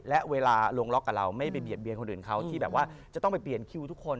และเวลาลงล็อกกับเราไม่ไปเบียดเบียนคนอื่นเขาที่แบบว่าจะต้องไปเปลี่ยนคิวทุกคน